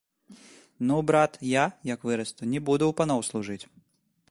Ну, брат, я, як вырасту, не буду ў паноў служыць.